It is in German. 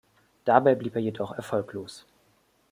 Dabei blieb er jedoch erfolglos.